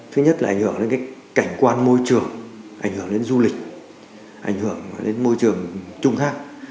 thứ nhất là ảnh hưởng đến cái cảnh quan môi trường ảnh hưởng đến du lịch ảnh hưởng đến môi trường trung thác